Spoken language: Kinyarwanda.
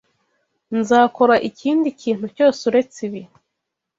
Nzakora ikindi kintu cyose uretse ibi.